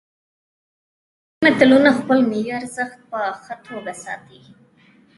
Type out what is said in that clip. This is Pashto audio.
ژوندي ملتونه خپل ملي ارزښتونه په ښه توکه ساتي.